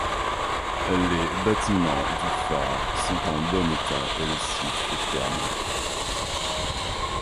Les bâtiments du phare sont en bon état et le site est fermé.